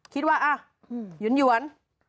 คิดว่าอ่ะหยุ่น